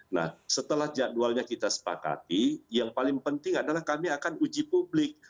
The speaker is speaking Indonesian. nah setelah jadwalnya kita sepakati yang paling penting adalah kami akan uji publik